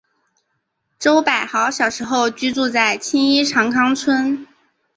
周柏豪小时候居住在青衣长康邨。